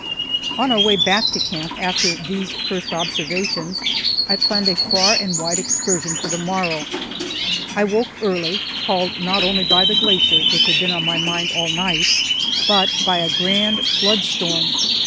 On our way back to camp after these first observations I planned a far and wide excursion for the morrow. I awoke early, called not only by the glacier, which had been on my mind all night, but by a grand flood storm.